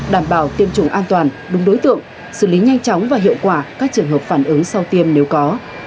đảm bảo tiêm chủng an toàn đúng đối tượng xử lý nhanh chóng và hiệu quả các trường hợp phản ứng sau tiêm nếu có